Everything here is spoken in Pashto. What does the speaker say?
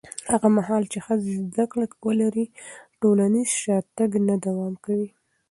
هغه مهال چې ښځې زده کړه ولري، ټولنیز شاتګ نه دوام کوي.